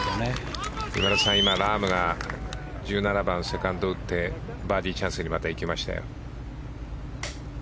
今田さん、今ラームが１７番のセカンドを打ってバーディーチャンスにまた行きましたよ。